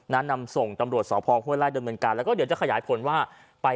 น้ำนำส่งตำรวจศอพอขวดแล้วด้วยเหมือนกันแล้วก็เดี๋ยวจะขยายผลว่า